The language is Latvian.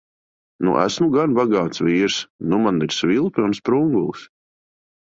Nu esmu gan bagāts vīrs. Nu man ir svilpe un sprungulis!